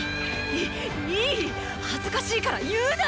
いいいっ恥ずかしいから言うな！